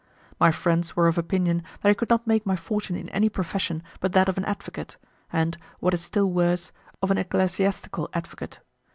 My friends were of opinion that I could not make my fortune in any profession but that of an advocate, and, what is still worse, of an ecclesiastical advocate.